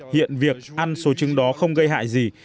hiện việc ăn số trứng đó không gây hại gì